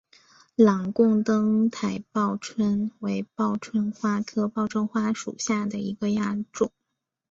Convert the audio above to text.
朗贡灯台报春为报春花科报春花属下的一个亚种。